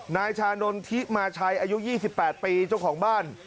นายชานนทิมาชัยอายุ๒๘ปีเจ้าของบ้าน